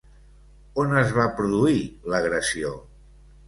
On es va produir l'agressió?